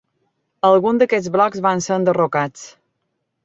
Alguns d'aquests blocs van ser enderrocats.